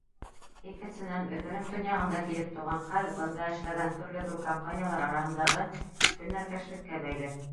Икенсенән, Өфөнөң төньяғында килеп тыуған хәл бында эшләгән төрлө ҙур компаниялар араһындағы көнәркәшлеккә бәйле.